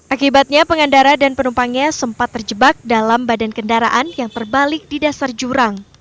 akibatnya pengendara dan penumpangnya sempat terjebak dalam badan kendaraan yang terbalik di dasar jurang